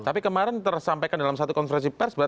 tapi kemarin tersampaikan dalam satu konferensi pers